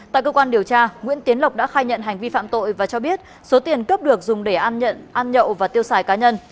tại cơ quan điều tra nguyễn tiến lộc đã khai nhận hành vi phạm tội và cho biết số tiền cướp được dùng để ăn nhận ăn nhậu và tiêu xài cá nhân